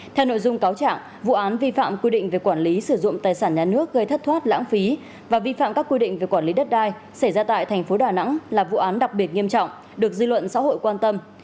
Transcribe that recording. theo nội dung cáo trạng vụ án vi phạm quy định về quản lý sử dụng tài sản nhà nước gây thất thoát lãng phí và vi phạm các quy định về quản lý đất đai xảy ra tại tp đà nẵng là vụ án đặc biệt nghiêm trọng được dư luận xã hội quan tâm